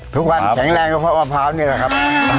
ทุกวันแข็งเลยเพราะผาวเนี่ยนะครับ